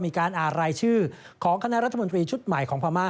มีการอ่านรายชื่อของคณะรัฐมนตรีชุดใหม่ของพม่า